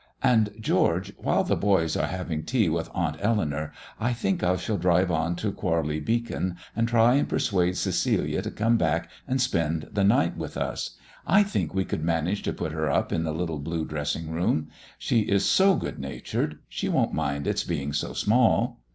And, George, while the boys are having tea with Aunt Eleanour, I think I shall drive on to Quarley Beacon and try and persuade Cecilia to come back and spend the night with us. I think we could manage to put her up in the little blue dressing room. She is so good natured; she won't mind its being so small."